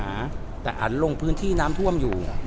ันลงที่น้ำท่วมอยู่